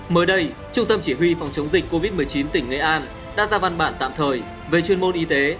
mới đây trung tâm chỉ huy phòng chống dịch covid một mươi chín tỉnh nghệ an đã ra văn bản tạm thời về chuyên môn y tế